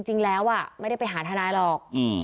จริงแล้วไม่ได้ไปหาทนายหรอก